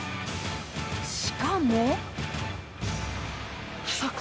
しかも。